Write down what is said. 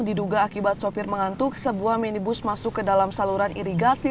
diduga akibat sopir mengantuk sebuah minibus masuk ke dalam saluran irigasi